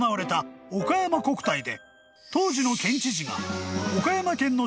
［当時の県知事が］